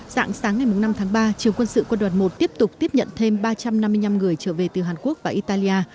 dạng sáng ngày năm tháng ba trường quân sự quân đoàn một tiếp tục tiếp nhận thêm ba trăm năm mươi năm người trở về từ hàn quốc và italia